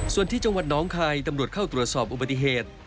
ส่วนที่จังหวัดน้องคายตำรวจเข้าตรวจสอบอุบัติเหตุ